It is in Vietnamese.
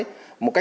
cái buổi đối thoại